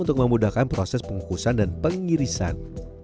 untuk memudahkan proses pengukusan dan pengirisan